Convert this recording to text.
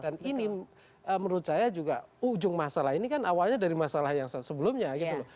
dan ini menurut saya juga ujung masalah ini kan awalnya dari masalah yang sebelumnya gitu loh